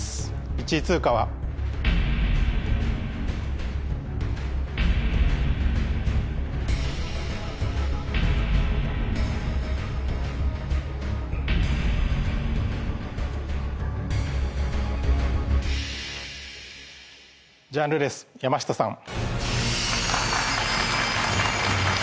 １位通過はジャンルレス山下さん